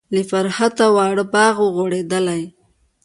له فرحته واړه باغ و غوړیدلی.